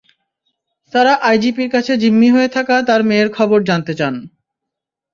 তাঁরা আইজিপির কাছে জিম্মি হয়ে থাকা তাঁর মেয়ের খবর জানতে চান।